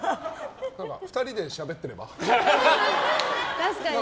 ２人でしゃべってれば？